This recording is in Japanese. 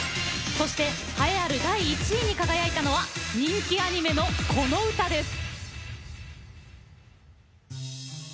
そして栄えある第１位に輝いたのは人気アニメのこの歌です。